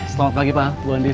selamat pagi pak bu andi